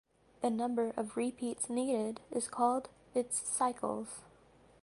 The number of repeats needed is called its cycles.